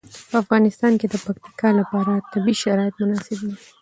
په افغانستان کې د پکتیکا لپاره طبیعي شرایط مناسب دي.